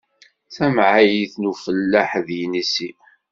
D tamɛayt n ufellaḥ d yinisi.